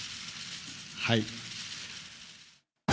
はい。